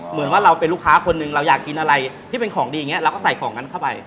เหมือนว่าเราเป็นลูกค้าคนหนึ่งเราอยากกินอะไรที่เป็นของดีอย่างนี้เราก็ใส่ของนั้นเข้าไป